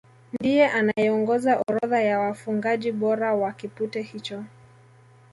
Ndiye anayeongoza orodha ya wafungaji bora wa kipute hicho